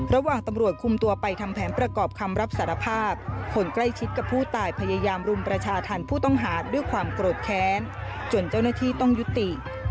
ระหว่างตำรวจคุมตัวไปทำแผนประกอบคำรับสารภาพคนใกล้ชิดกับผู้ตายพยายามรุมประชาธรรมผู้ต้องหาด้วยความโกรธแค้นจนเจ้าหน้าที่ต้องยุติ